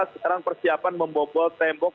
sekarang persiapan membobol tembok